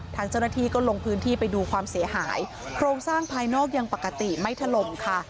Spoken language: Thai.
ทางเจ้าหน้าที่ก็ลงพื้นที่ไปดูความเสียหายโครงสร้างภายนอกยังปกติไม่ถล่มค่ะ